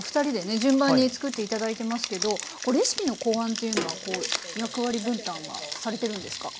順番に作って頂いてますけどレシピの考案というのはこう役割分担はされてるんですか？